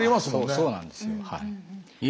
そうなんですよはい。